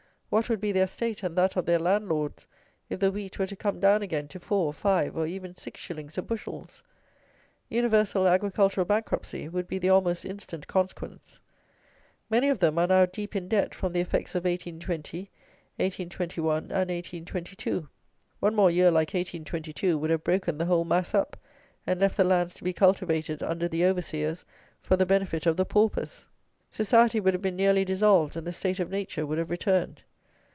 What would be their state, and that of their landlords, if the wheat were to come down again to 4, 5, or even 6 shillings a bushels? Universal agricultural bankruptcy would be the almost instant consequence. Many of them are now deep in debt from the effects of 1820, 1821, and 1822. One more year like 1822 would have broken the whole mass up, and left the lands to be cultivated, under the overseers, for the benefit of the paupers. Society would have been nearly dissolved, and the state of nature would have returned.